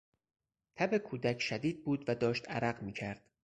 تب کودک شدید بود و داشت عرق میکرد.